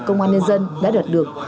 công an nhân dân đã đạt được